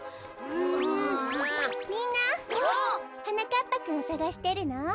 みんなはなかっぱくんをさがしてるの？